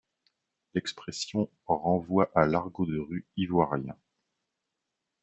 L’expression renvoie à l’argot de rue ivoirien.